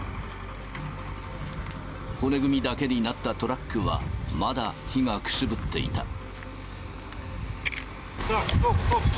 骨組みだけになったトラックは、まだ火がくすぶっていた。